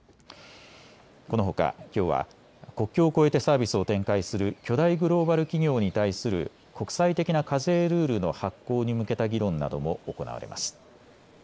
このほか、きょうは国境を越えてサービスを展開する巨大グローバル企業に対する国際的な課税ルールの発効に向けた議論なども行われます。